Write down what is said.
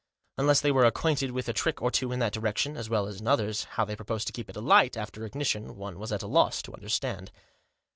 Unless they were acquainted with a trick or two in that direction, as well as in others, how they proposed to keep it alight, after ignition, one was at a loss to understand.